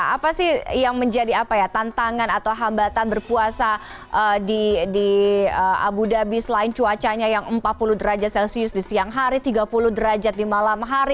apa sih yang menjadi tantangan atau hambatan berpuasa di abu dhabi selain cuacanya yang empat puluh derajat celcius di siang hari tiga puluh derajat di malam hari